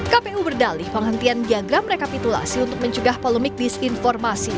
kpu berdalih penghentian piagam rekapitulasi untuk mencegah polemik disinformasi